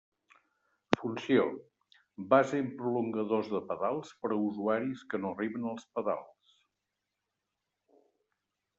Funció: base amb prolongadors de pedals per a usuaris que no arriben als pedals.